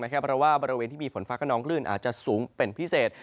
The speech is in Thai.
เพราะว่าบริเวณที่มีฝนฟ้าขนองคลื่นอาจจะสูงเป็นพิเศษ